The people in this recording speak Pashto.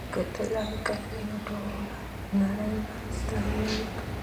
که ته لایق شې نو ټوله نړۍ به دې ستاینه وکړي.